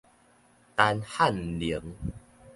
陳漢玲